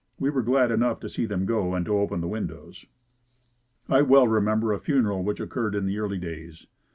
We were glad enough to see them go and to open the windows. I well remember a funeral which occurred in the early days.